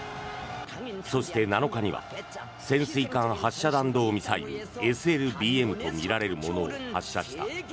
そして、７日には潜水艦発射弾道ミサイル・ＳＬＢＭとみられるものを発射した。